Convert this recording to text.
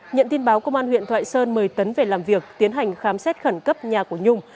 nhận tin báo công an huyện thoại sơn mời tấn về làm việc tiến hành khám xét khẩn cấp nhà của nhung